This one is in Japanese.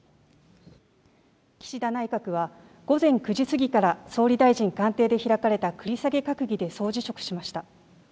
岸田内閣は午前９時過ぎから総理大臣官邸で開かれた繰り下げ閣議で総辞職しました。